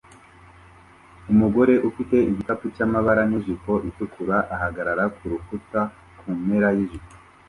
Umugore ufite igikapu cyamabara nijipo itukura ahagarara kurukuta kumpera yitorero